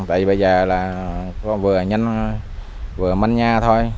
tại vì bây giờ là vừa nhanh vừa manh nha thôi